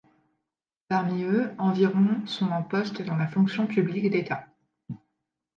Parmi eux, environ sont en poste dans la fonction publique d'État.